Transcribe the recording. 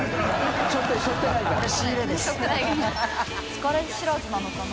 疲れ知らずなのかな？